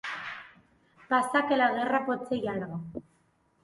Passa que la guerra pot ser llarga.